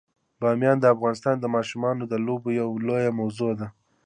بامیان د افغانستان د ماشومانو د لوبو یوه لویه موضوع ده.